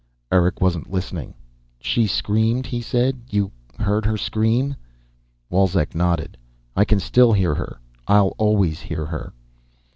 Eric wasn't listening. "She screamed," he said. "You heard her scream?" Wolzek nodded. "I can still hear her. I'll always hear her."